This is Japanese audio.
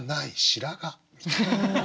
白髪」みたいな。